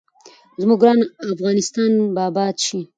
زموږ ګران افغانستان به اباد شي.